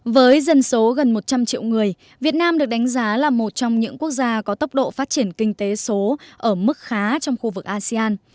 với dân số gần một trăm linh triệu người việt nam được đánh giá là một trong những quốc gia có tốc độ phát triển kinh tế số ở mức khá trong khu vực asean